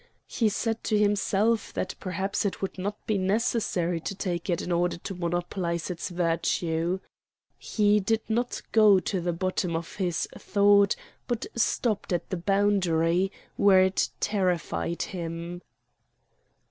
He said to himself that perhaps it would not be necessary to take it in order to monopolise its virtue. He did not go to the bottom of his thought but stopped at the boundary, where it terrified him.